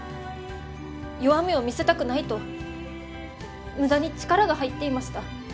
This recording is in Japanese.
弱みを見せたくないと無駄に力が入っていました。